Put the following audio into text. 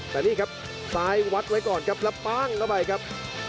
แต่นี่ครับซ้ายวัดไว้ก่อนครับแล้วปั้งเข้าไปครับ